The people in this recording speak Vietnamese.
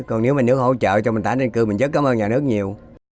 còn nếu mà nước hỗ trợ cho mình tái định cư mình rất cảm ơn nhà nước nhiều